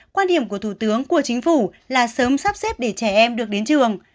quan điểm của thủ tướng của chính phủ là sớm sắp xếp để trẻ em được đến trường